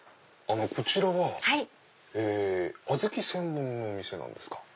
こちらはアズキ専門のお店なんですか？